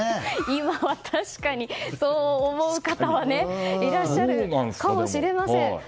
今は確かにそう思う方もいらっしゃるかもしれません。